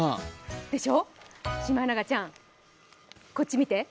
でしょ、シマエナガちゃん、こっち見て。